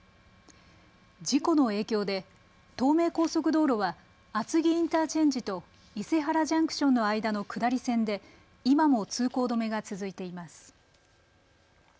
事故の影響で東名高速道路は厚木インターチェンジと伊勢原ジャンクションの間の下り線で今も通行止めが続いています。